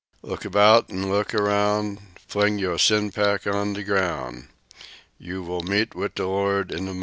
Look about an' look aroun' Fling yo' sin pack on d' groun' (Yo' will meet wid d' Lord in d' mornin'!)."